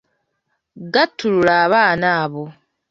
Ggattulula abaana abo.